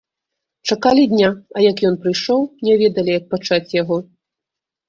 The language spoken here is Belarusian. Чакалі дня, а як ён прыйшоў, не ведалі, як пачаць яго.